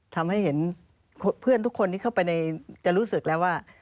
ทำให้เห็นเพื่อนทุกคนที่เข้าไปในจะรู้สึกแล้วว่า